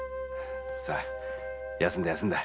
さあ休んだ休んだ。